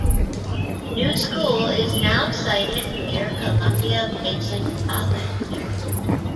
The new school is now sited near Columbia Basin College.